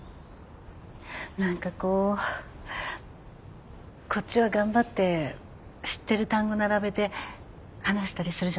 何かこうこっちは頑張って知ってる単語並べて話したりするじゃない？